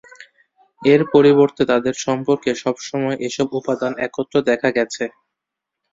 এর পরিবর্তে তাদের সম্পর্কে সব সময় এসব উপাদান একত্র দেখা গেছে।